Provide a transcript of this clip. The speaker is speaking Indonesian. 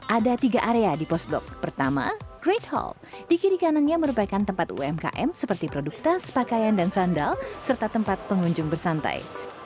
ada tiga area di pos blok pertama grade hall di kiri kanannya merupakan tempat umkm seperti produk tas pakaian dan sandal serta tempat pengunjung bersantai